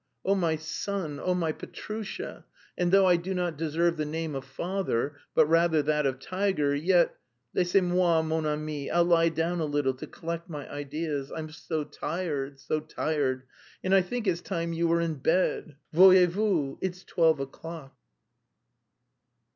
Oh, my son, oh, my Petrusha.... And though I do not deserve the name of father, but rather that of tiger, yet..._Laissez moi, mon ami,_ I'll lie down a little, to collect my ideas. I am so tired, so tired. And I think it's time you were in bed. Voyez vous, it's twelve o'clock...."